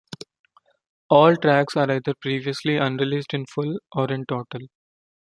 All tracks are either previously unreleased in full or in total.